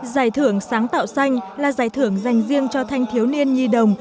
giải thưởng sáng tạo xanh là giải thưởng dành riêng cho thanh thiếu niên nhi đồng